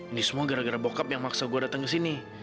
ini semua gara gara bokap yang maksa gue datang ke sini